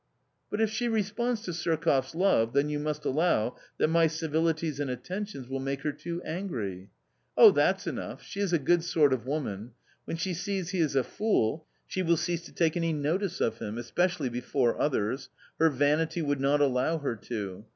" But if she responds to SurkofFs love, then you must allow that my civilities and attentions will make her too angry." " Oh, that's enough ! She is a good sort of woman ; when she sees he is a fool, she will cease to take any notice of him, especially before others : her vanity would not allow her to.